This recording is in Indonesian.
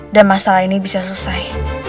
dan masalah ini bisa selesai